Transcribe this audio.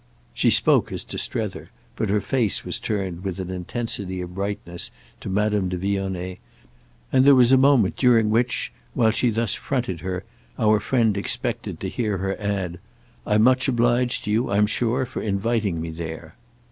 She spoke as to Strether, but her face was turned with an intensity of brightness to Madame de Vionnet, and there was a moment during which, while she thus fronted her, our friend expected to hear her add: "I'm much obliged to you, I'm sure, for inviting me there."